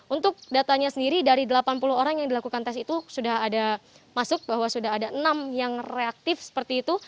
untuk datanya sendiri dari delapan puluh orang yang dilakukan tes itu sudah ada masuk bahwa sudah ada enam yang reaktif seperti itu